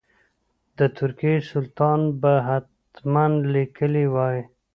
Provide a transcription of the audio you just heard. د ترکیې سلطان به حتما لیکلي وای.